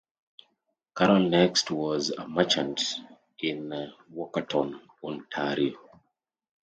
Carroll next was a merchant in Walkerton, Ontario.